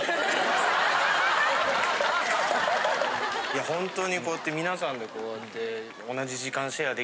いやほんとにこうやって皆さんでこうやって。